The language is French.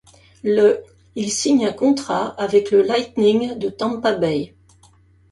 Le il signe un contrat avec le Lightning de Tampa Bay.